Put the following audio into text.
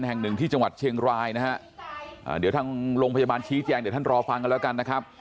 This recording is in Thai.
แห่งหนึ่งที่จังหวัดเชียงรายนะฮะเดี๋ยวทางโรงพยาบาลชี้แจงเดี๋ยวท่านรอฟังกันแล้วกันนะครับ